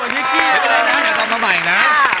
ไม่เป็นไรนะเดี๋ยวต้องมาใหม่อีกนะ